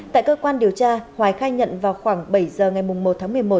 tại cơ quan điều tra hoài khai nhận vào khoảng bảy giờ ngày một tháng một mươi một